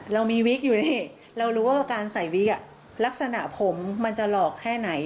เรามีวิกอยู่นี่เรารู้ว่าการใส่วิกลักษณะผมมันจะหลอกแค่ไหน